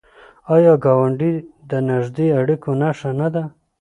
آیا ګاونډی د نږدې اړیکو نښه نه ده؟